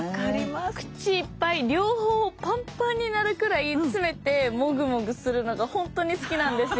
口いっぱい両方ぱんぱんになるくらい詰めてもぐもぐするのがほんとに好きなんですよ。